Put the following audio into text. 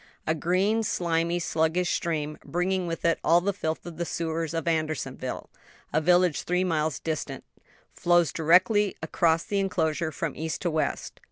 A green, slimy, sluggish stream, bringing with it all the filth of the sewers of Andersonville, a village three miles distant, flows directly across the enclosure from east to west.